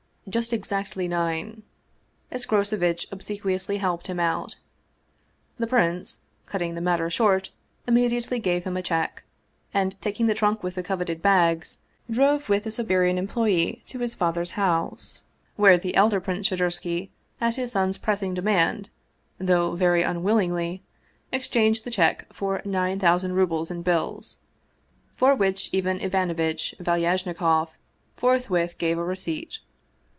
Just exactly nine," Escrocevitch obsequiously helped him out. The prince, cutting the matter short, immediately gave him a check, and taking the trunk with the coveted bags, drove with the Siberian employee to his father's house, where the elder Prince Shadursky, at his son's pressing demand, though very unwillingly, exchanged the check for nine thousand rubles in bills, for which Ivan Ivanovitch Valyajnikoff forthwith gave a receipt.